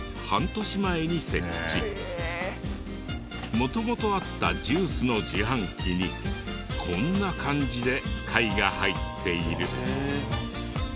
元々あったジュースの自販機にこんな感じで貝が入っている。